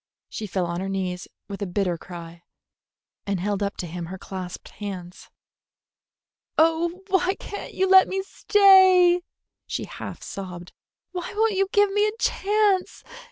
She fell on her knees with a bitter cry, and held up to him her clasped hands. "Oh, why can't you let me stay!" she half sobbed. "Why won't you give me a chance?